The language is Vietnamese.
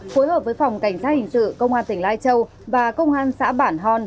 phối hợp với phòng cảnh sát hình sự công an tỉnh lai châu và công an xã bản hòn